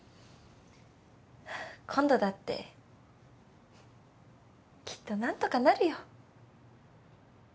今度だってきっと何とかなるよ。